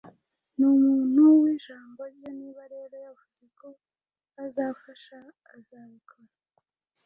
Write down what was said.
Ni umuntu wijambo rye, niba rero yavuze ko azafasha, azabikora.